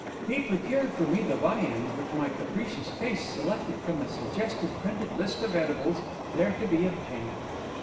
He procured for me the viands which my capricious taste selected from the suggestive printed list of edibles there to be obtained.